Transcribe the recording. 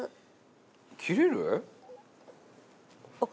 切れる？